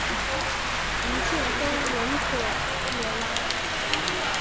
一切都妥当惹拉